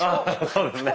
そうですね。